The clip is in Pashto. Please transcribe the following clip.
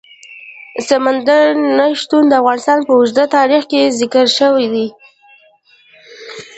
سمندر نه شتون د افغانستان په اوږده تاریخ کې ذکر شوی دی.